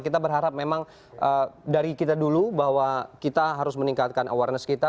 kita berharap memang dari kita dulu bahwa kita harus meningkatkan awareness kita